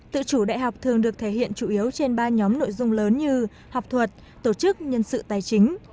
tự chủ đại học thường được thể hiện chủ yếu trên ba nhóm nội dung lớn như học thuật tổ chức nhân sự tài chính